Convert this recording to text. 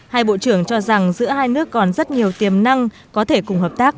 hai bộ trưởng cho rằng giữa hai nước còn rất nhiều tiềm năng có thể cùng hợp tác